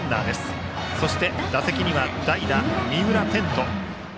そして、打席には代打の三浦天和。